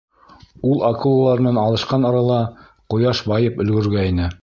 Ул акулалар менән алышҡан арала ҡояш байып өлгөргәйне.